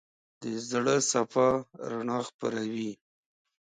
د زړه صفا رڼا خپروي.